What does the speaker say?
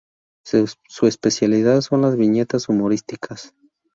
Su especialidad son las viñetas humorísticas.